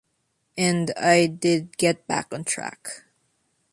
And I did get back on track.